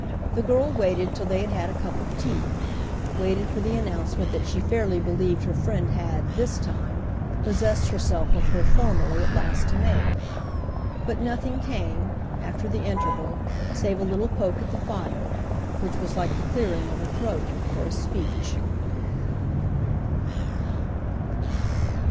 The girl waited till they had had a cup of tea—waited for the announcement that she fairly believed her friend had, this time, possessed herself of her formally at last to make; but nothing came, after the interval, save a little poke at the fire, which was like the clearing of a throat for a speech.